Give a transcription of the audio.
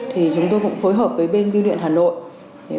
thì chúng tôi cũng phối hợp với bên duyên hà nội